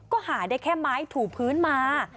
ก็หาได้แค่ไม้ถูพื้นมา